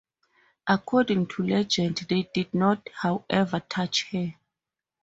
According to legend, they did not, however, touch her.